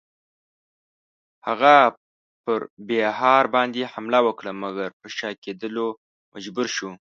هغه پر بیهار باندی حمله وکړه مګر پر شا کېدلو مجبور شو.